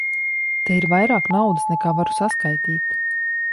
Te ir vairāk naudas, nekā varu saskaitīt.